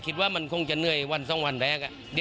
คิดว่ามันคงจะเนื่อยวันสองวันแปลกอะ